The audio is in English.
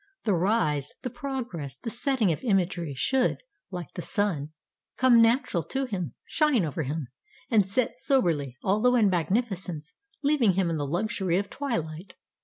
The rise, the progress, the setting of Imagery should, like the sun, come natural to him, shine over him, and set soberly, although in magnificence, leaving him in the luxury of twilight.